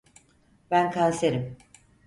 Ben kanserim.